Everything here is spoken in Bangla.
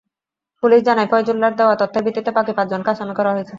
পুলিশ জানায়, ফয়জুল্লাহর দেওয়া তথ্যের ভিত্তিতে বাকি পাঁচজনকে আসামি করা হয়েছে।